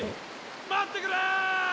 待ってくれ！